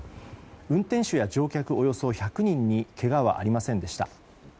運転手や乗客およそ１００人にけがはありませんでした。